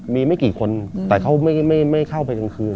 มีไม่กี่คนแต่เขาไม่เข้าไปกลางคืน